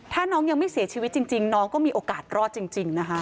ถ้าน้องยังไม่เสียชีวิตจริงน้องก็มีโอกาสรอดจริงนะคะ